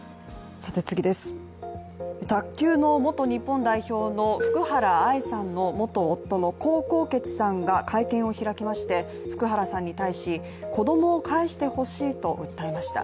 卓球の元日本代表の福原愛さんの元夫の江宏傑さんが会見を開きまして、福原さんに対し子供を帰してほしいと訴えました。